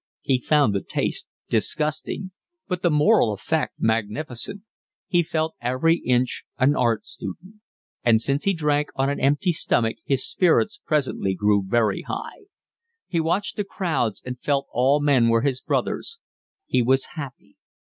He found the taste disgusting, but the moral effect magnificent; he felt every inch an art student; and since he drank on an empty stomach his spirits presently grew very high. He watched the crowds, and felt all men were his brothers. He was happy.